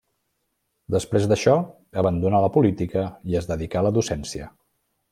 Després d'això abandonà la política i es dedicà a la docència.